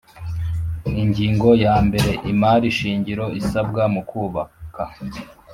Ingingo ya mbere Imari shingiro isabwa mukubaka